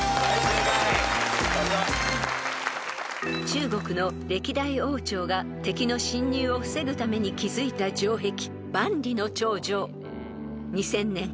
［中国の歴代王朝が敵の侵入を防ぐために築いた城壁］